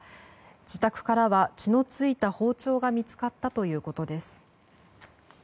自宅からは血の付いた包丁が見つかったということです。